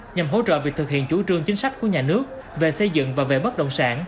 nhằm hỗ trợ việc thực hiện chủ trương chính sách của nhà nước về xây dựng và về bất động sản